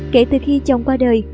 kể từ khi chồng qua đời